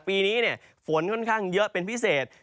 ปีนี้ฝนค่อนข้างเยอะเป็นพิเศษ